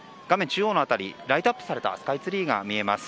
中央の辺りはライトアップされたスカイツリーが見えます。